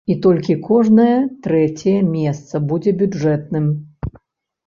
І толькі кожнае трэцяе месца будзе бюджэтным.